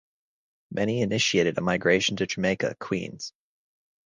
Many initiated a migration to Jamaica, Queens.